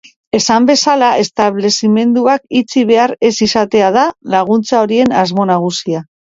Esan bezala, establezimenduak itxi behar ez izatea da laguntza horien asmo nagusia.